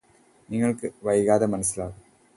നിങ്ങൾക്കത് വൈകാതെ മനസ്സിലാവും